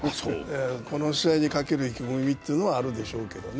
この試合にかける意気込みはあるでしょうけどね。